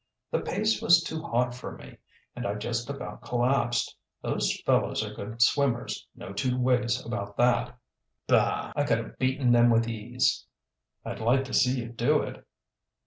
The pace was too hot for me, and I just about collapsed. Those fellows are good swimmers, no two ways about that." "Bah! I could have beaten them with ease." "I'd like to see you do it."